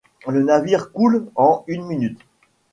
Le navire coule en une minute.